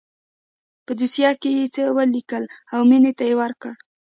په دوسيه کښې يې څه وليکل او مينې ته يې ورکړه.